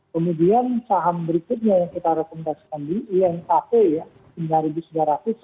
kemudian saham berikutnya yang kita rekomendasi beli inkp ya sembilan ribu sembilan ratus sepuluh ribu enam ratus